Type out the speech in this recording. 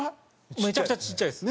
めちゃくちゃちっちゃいです。